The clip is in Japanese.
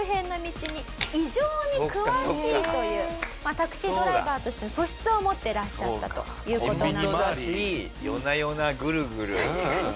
タクシードライバーとしての素質を持ってらっしゃったという事なんです。